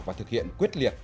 và thực hiện quyết liệt